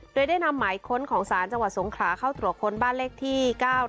โดยได้นำหมายค้นของศาลจังหวัดสงขลาเข้าตรวจค้นบ้านเลขที่๙๑